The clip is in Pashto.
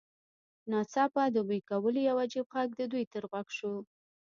ناڅاپه د بوی کولو یو عجیب غږ د دوی تر غوږ شو